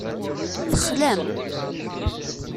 Texlam.